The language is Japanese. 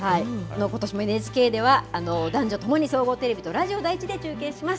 ことしもＮＨＫでは、男女ともに総合テレビとラジオ第１で中継します。